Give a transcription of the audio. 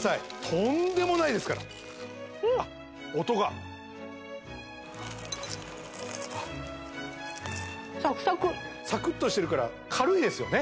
とんでもないですからあっ音がサクサクサクッとしてるから軽いですよね